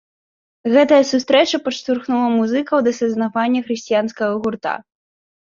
Гэтая сустрэча падштурхнула музыкаў да заснавання хрысціянскага гурта.